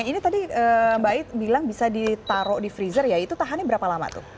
ini tadi mbak it bilang bisa ditaruh di freezer ya itu tahannya berapa lama tuh